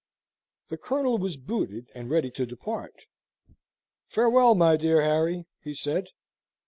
The Colonel was booted and ready to depart. "Farewell, my dear Harry," he said.